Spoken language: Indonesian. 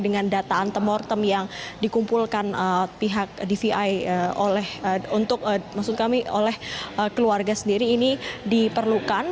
dengan data antemortem yang dikumpulkan pihak dvi oleh keluarga sendiri ini diperlukan